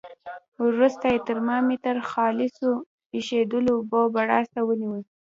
وروسته یې ترمامتر خالصو ایشېدلو اوبو بړاس ته ونیو.